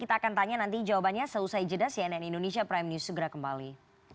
kita akan tanya nanti jawabannya selesai jeda cnn indonesia prime news segera kembali